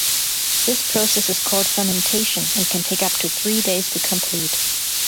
This process is called fermentation and can take up to three days to complete.